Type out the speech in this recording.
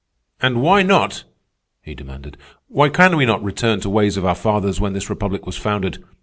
"And why not?" he demanded. "Why can we not return to the ways of our fathers when this republic was founded?